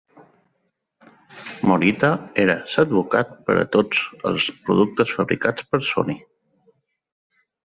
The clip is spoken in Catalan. Morita era l"advocat per a tots els productes fabricats per Sony.